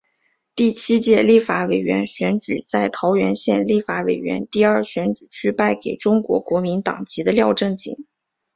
第七届立法委员选举在桃园县立法委员第二选举区败给中国国民党籍的廖正井。